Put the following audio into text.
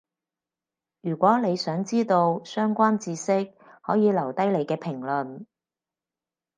如果你想知到相關智識，可以留低你嘅評論